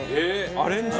アレンジも？